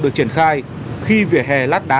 được triển khai khi vỉa hè lát đá